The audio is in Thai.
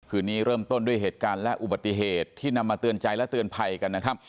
คืนนี้เริ่มต้นด้วยเหตุการณ์และอุบัติเหตุที่นำมาเตือนใจและเตือนภัยกันนะครับ